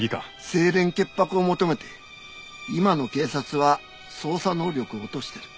清廉潔白を求めて今の警察は捜査能力を落としてる。